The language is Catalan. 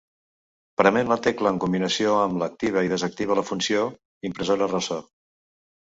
Prement la tecla en combinació amb activa i desactiva la funció "impressora ressò".